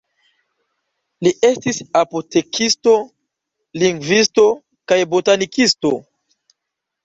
Li estis apotekisto, lingvisto kaj botanikisto.